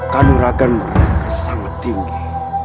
kanuragan mereka sangat tinggi